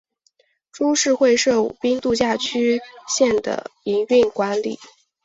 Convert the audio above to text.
株式会社舞滨度假区线的营运管理。